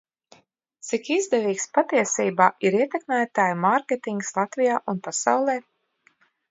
Cik izdevīgs patiesībā ir ietekmētāju mārketings Latvijā un pasaulē?